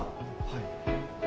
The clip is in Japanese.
はい。